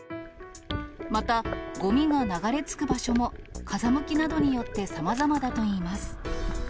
また、ごみが流れ着く場所も、風向きなどによって、さまざまだといいます。